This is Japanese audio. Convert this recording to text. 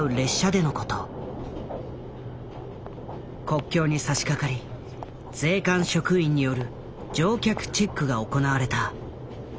国境にさしかかり税関職員による乗客チェックが行われた。